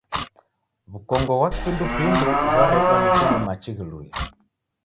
W'ukongo ghwa kipindupindu ghwaredwa ni kunywa machi ghilue.